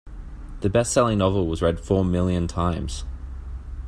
The bestselling novel was read four million times.